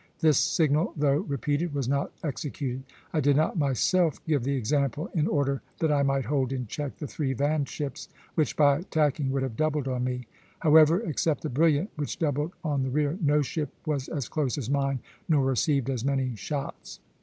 This signal, though repeated, was not executed. I did not myself give the example, in order that I might hold in check the three van ships, which by tacking would have doubled on me. However, except the 'Brilliant,' which doubled on the rear, no ship was as close as mine, nor received as many shots."